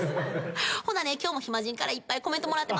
ほなね今日も暇人からいっぱいコメントもらってます。